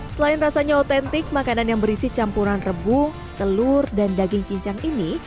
selain rasanya otentik makanan yang berisi campuran rebung telur dan daging cincang ini